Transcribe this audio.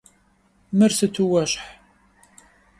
Мыр сыту уэщхь!